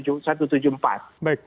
nah kalau sudah dikatakan seperti itu